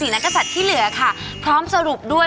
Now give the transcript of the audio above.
แม่บ้านพระจันทร์บ้าน